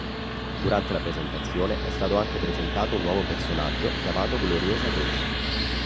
Durante la presentazione è stato anche presentato un nuovo personaggio chiamato Gloriosa Daisy.